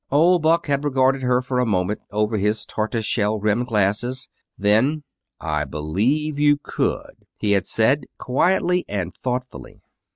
Old Buck had regarded her a moment over his tortoise shell rimmed glasses. Then, "I believe you could," he had said, quietly and thoughtfully.